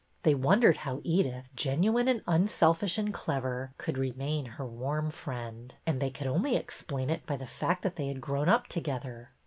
They won dered how Edyth, genuine and unselfish and clever, could remain her warm friend, and they could only explain it by the fact that they had grown up together.